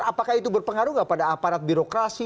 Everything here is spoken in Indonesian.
apakah itu berpengaruh nggak pada aparat birokrasi